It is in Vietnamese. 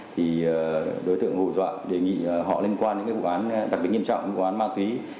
thì đối tượng hủ dọa đề nghị họ liên quan đến những vụ án đặc biệt nghiêm trọng như vụ án ma túy